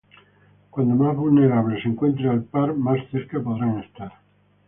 Cuanto más vulnerable se encuentre el par, más cerca podrán estar.